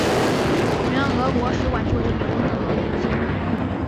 原俄国使馆旧址已无任何遗迹。